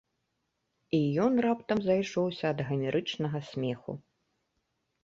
І ён раптам зайшоўся ад гамерычнага смеху.